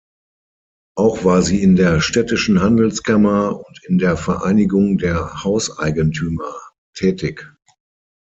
Auch war sie in der städtischen Handelskammer und in der Vereinigung der Hauseigentümer tätig.